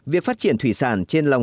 việc phát triển thủy sản trên lòng